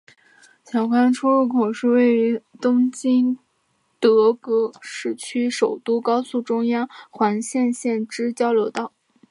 小菅出入口是位于东京都葛饰区的首都高速中央环状线之交流道。